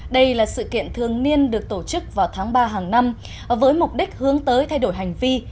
đây là sự kiện thường niên được tổ chức vào tháng ba hàng năm với mục đích hướng tới thay đổi hành vi